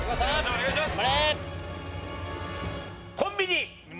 お願いします。